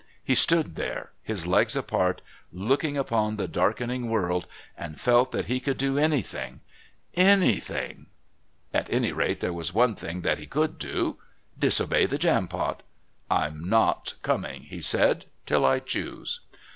He stood there, his legs apart, looking upon the darkening world and felt that he could do anything anything... At any rate, there was one thing that he could do, disobey the Jampot. "I'm not coming," he said, "till I choose."